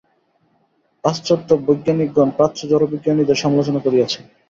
পাশ্চাত্য বৈজ্ঞানিকগণ প্রাচ্য জড়বিজ্ঞানীদের সমালোচনা করিয়াছেন।